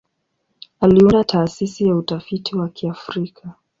Aliunda Taasisi ya Utafiti wa Kiafrika.